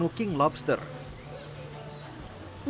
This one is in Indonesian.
sebelumnya pembukaan lobster ini dikumpulkan dengan perusahaan yang berkualitas